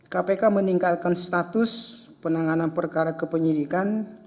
kpk meningkatkan status penanganan perkara kepenyelidikan